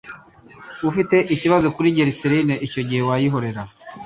Ufite ikibazo kuri glycerine icyo gihe wayihorera